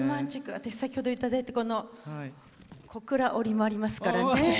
私、先ほどいただいた小倉織もありますからね。